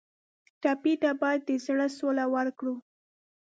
ټپي ته باید د زړه سوله ورکړو.